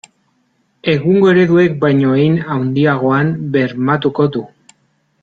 Egungo ereduek baino hein handiagoan bermatuko du.